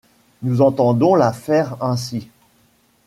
Nous entendons la faire ainsi.